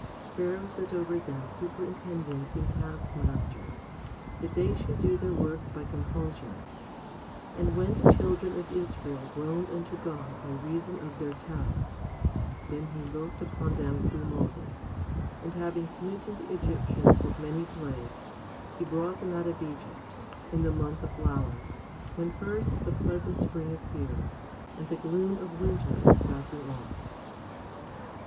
6 Pharaoh set over them superintendents and taskmasters, that they should do their works by compulsion ; and when the children of Israel groaned unto God by reason of their tasks, 7 then He looked upon them through Moses; 8 and having smitten the Egyptians with many plagues, He brought them out of Egypt, in the month of flowers, when first the pleasant spring appears, and the gloom of winter is passing off.